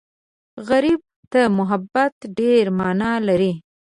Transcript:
غریب ته محبت ډېره مانا لري